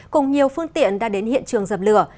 cùng nhiều phương tiện đã đến hiện trường dập lửa